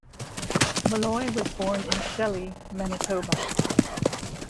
Molloy was born in Shelley, Manitoba.